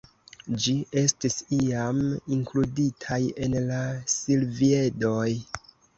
Ĝi estis iam inkluditaj en la Silviedoj.